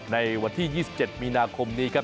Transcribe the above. ในวันที่๒๗มีนาคมนี้ครับ